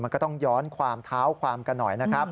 มันก็ต้องย้อนความเท้าความกันหน่อยนะครับ